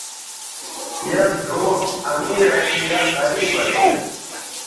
یک ڙھؤں امیر اسُو ،یک غریب اسُو